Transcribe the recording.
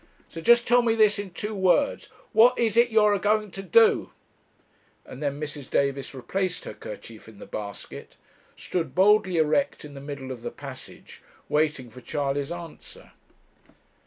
So just tell me this in two words what is it you're a going to do?' And then Mrs. Davis replaced her kerchief in the basket, stood boldly erect in the middle of the passage, waiting for Charley's answer.